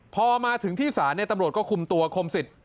พอมาถึงที่ศาลตำรวจก็คุมตัวคมสิทธิ